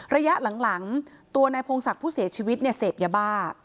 ระยะหลังตัวนายพงศักดิ์ผู้เสียชีวิตเนี่ยเสพยาบ้า